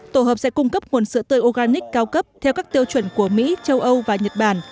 tổ hợp sẽ cung cấp nguồn sữa tươi organic cao cấp theo các tiêu chuẩn của mỹ châu âu và nhật bản